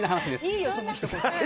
いいよ、そのひと言。